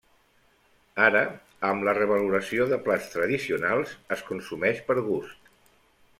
Ara, amb la revaloració de plats tradicionals, es consumeix per gust.